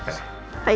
はい。